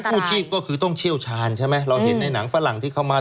กู้ชีพก็คือต้องเชี่ยวชาญใช่ไหมเราเห็นในหนังฝรั่งที่เข้ามา